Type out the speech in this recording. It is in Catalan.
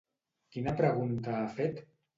Quina pregunta ha fet?